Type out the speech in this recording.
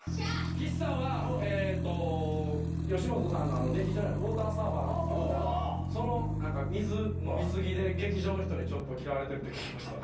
岸さんは吉本さんの劇場にウオーターサーバーあるんですけどその水飲み過ぎで劇場の人にちょっと嫌われてるって聞きました。